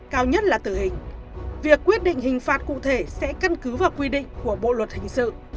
cao nhất là tử hình việc quyết định hình phạt cụ thể sẽ căn cứ vào quy định của bộ luật hình sự